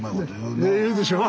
ねえ言うでしょう？